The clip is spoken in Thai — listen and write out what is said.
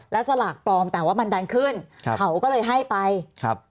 แล้วสลากปลอมแต่ว่ามันดันขึ้นครับเขาก็เลยให้ไปครับ